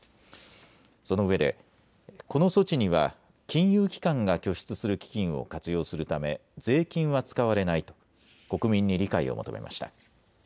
そのうえでこの措置には金融機関が拠出する基金を活用するため税金は使われないと国民に理解を求めました。